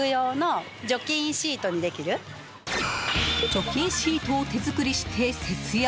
除菌シートを手作りして節約？